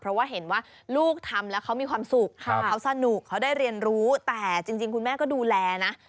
เพราะว่าเห็นว่าลูกทำแล้วเขามีความสุขเขาสนุกเขาได้เรียนรู้แต่จริงคุณแม่ก็ดูแลนะ